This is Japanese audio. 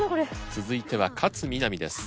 続いては勝みなみです。